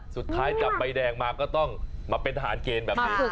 สุดท้ายจับใบแดงมาก็ต้องมาเป็นทหารเกณฑ์แบบนี้